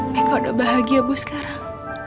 meka udah bahagia bu sekarang